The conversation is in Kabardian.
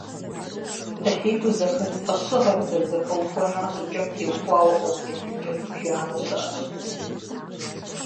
ӀыхьитӀу зэхэт фӀэщыгъэр зэрызэхэухуэна щӀыкӀэм теухуауэ Ӏуэху еплъыкӀэ зыбжанэ щыӀэщ.